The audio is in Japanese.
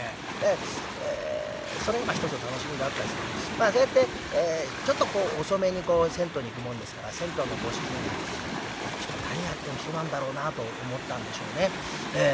それがまあ一つの楽しみだったですけどそうやってちょっとこう遅めに銭湯に行くもんですから銭湯のご主人がこの人何やってる人なんだろうなと思ったんでしょうね。